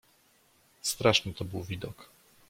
"Straszny to był widok!"